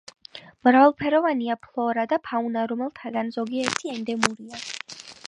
მრავალფეროვანია ფლორა და ფაუნა, რომელთაგან ზოგიერთი ენდემურია.